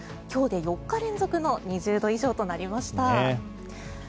今日で４日連続の２０度以上となりました。